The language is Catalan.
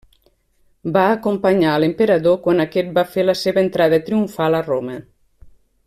Va acompanyar a l'emperador quan aquest va fer la seva entrada triomfal a Roma.